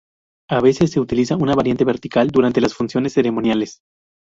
A veces se utiliza una variante vertical durante las funciones ceremoniales.